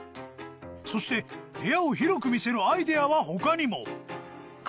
そして部屋を広く見せるアイデアは他にも！